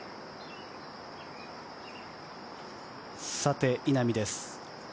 さて、稲見です。